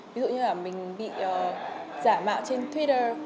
ví dụ như là mình bị giả mạo trên twitter